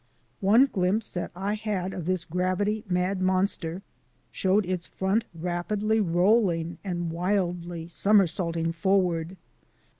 One glimpse that I had of this gravity mad monster showed its front rapidly rolling and wildly somersaulting for ward.